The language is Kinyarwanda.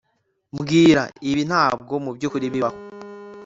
mbwira ibi ntabwo mubyukuri bibaho